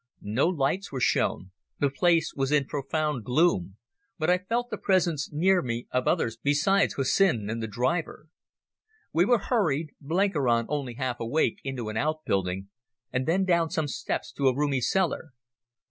No lights were shown, the place was in profound gloom, but I felt the presence near me of others besides Hussin and the driver. We were hurried, Blenkiron only half awake, into an outbuilding, and then down some steps to a roomy cellar.